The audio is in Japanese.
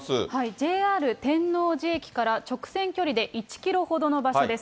ＪＲ天王寺駅から直線距離で１キロほどの場所です。